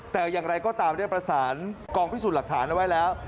แต่อย่างไรก็ตามได้ประสานกองพิสูจน์หลักฐานเอาไว้แล้ว